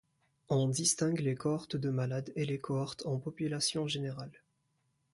On distingue les cohortes de malades et les cohortes en population générale.